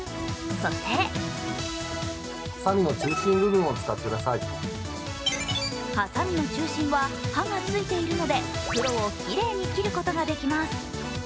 そしてはさみの中心は刃がついているので袋をきれいに切ることができます。